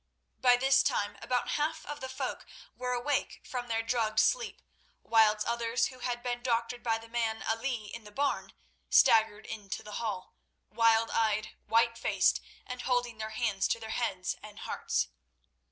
By this time about half of the folk were awake from their drugged sleep, whilst others who had been doctored by the man Ali in the barn staggered into the hall—wild eyed, white faced, and holding their hands to their heads and hearts.